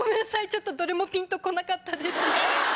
ちょっとどれもピンと来なかったです。